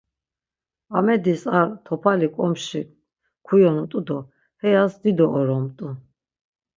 Amedis ar topali ǩomşi kuyonut̆u do heyas dido oromt̆u.